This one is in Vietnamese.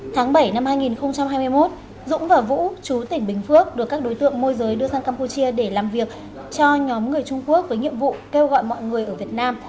tháng bảy năm hai nghìn hai mươi một dũng và vũ chú tỉnh bình phước được các đối tượng môi giới đưa sang campuchia để làm việc cho nhóm người trung quốc với nhiệm vụ kêu gọi mọi người ở việt nam